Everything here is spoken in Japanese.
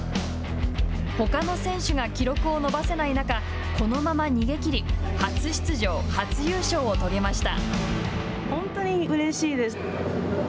ほかの選手が記録を伸ばせない中このまま逃げ切り初出場、初優勝を遂げました。